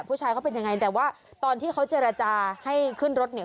ผู้ชายเขาเป็นยังไงแต่ว่าตอนที่เขาเจรจาให้ขึ้นรถเนี่ย